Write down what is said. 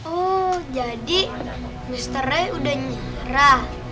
oh jadi mister roy udah nyerah